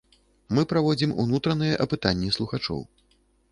Мы праводзім унутраныя апытанні слухачоў.